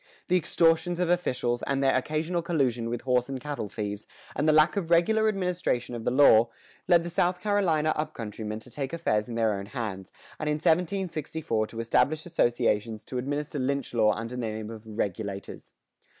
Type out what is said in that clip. The extortions of officials, and their occasional collusion with horse and cattle thieves, and the lack of regular administration of the law, led the South Carolina up country men to take affairs in their own hands, and in 1764 to establish associations to administer lynch law under the name of "Regulators."